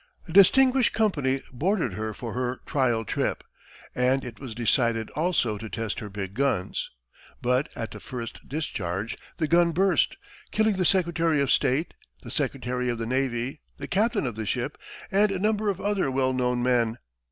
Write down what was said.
A distinguished company boarded her for her trial trip, and it was decided also to test her big guns. But at the first discharge, the gun burst, killing the secretary of state, the secretary of the navy, the captain of the ship, and a number of other well known men.